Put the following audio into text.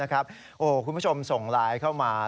คุณผู้ชมส่งไลน์เข้ามา